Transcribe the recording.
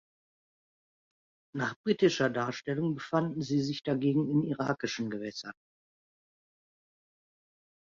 Nach britischer Darstellung befanden sie sich dagegen in irakischen Gewässern.